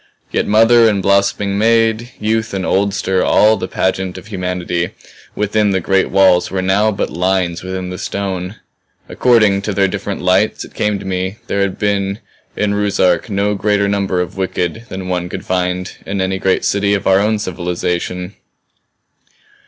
Yet mother and blossoming maid, youth and oldster, all the pageant of humanity within the great walls were now but lines within the stone. According to their different lights, it came to me, there had been in Ruszark no greater number of the wicked than one could find in any great city of our own civilization.